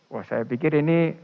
wah saya pikir ini